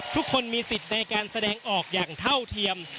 ทุกคนมีสิทธิ์ในการแสดงออกอย่างเท่าเทียม